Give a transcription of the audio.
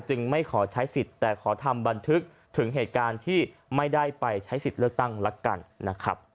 ไม่ขอใช้สิทธิ์แต่ขอทำบันทึกถึงเหตุการณ์ที่ไม่ได้ไปใช้สิทธิ์เลือกตั้งละกันนะครับ